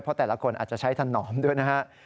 เพราะแต่ละคนอาจจะใช้ถนอมด้วยนะฮะ